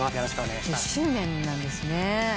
１０周年なんですね。